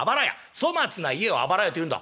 粗末な家をあばら家というんだ」。